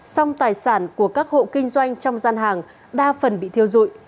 song tài sản của các hộ kinh doanh trong gian hàng đa phần bị thiêu dụi